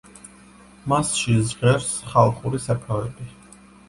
მასში ჟღერს ხალხური საკრავები.